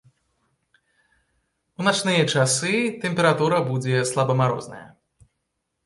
У начныя часы тэмпература будзе слабамарозная.